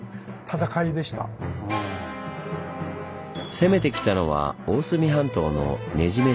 攻めてきたのは大隅半島の寝氏。